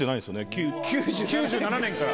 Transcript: ９７年から？